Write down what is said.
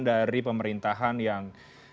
dari pemerintahan yang